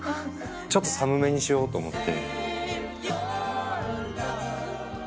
ちょっと寒めにしようと思って。